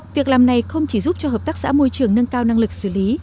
việc làm này không chỉ giúp cho hợp tác xã môi trường nâng cao năng lực xử lý